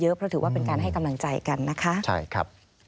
เพราะถือว่าเป็นการให้กำลังใจกันนะคะใช่ครับ